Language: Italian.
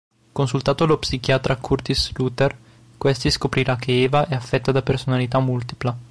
Consultato lo psichiatra Curtis Luther, questi scoprirà che Eva è affetta da personalità multipla.